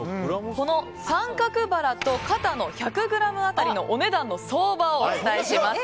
この三角バラと肩の１００ｇ当たりのお値段の相場をお伝えします。